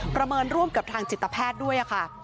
เมินร่วมกับทางจิตแพทย์ด้วยค่ะ